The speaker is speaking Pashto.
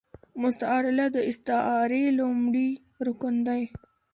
مستعارله د استعارې لومړی رکن دﺉ.